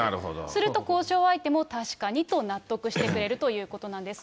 すると、交渉相手も確かにと納得してくれるということなんです。